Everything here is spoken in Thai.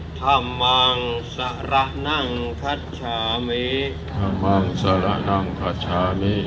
พุทธภังสาระนังขัชชามีสังคังสาระนังขัชชามี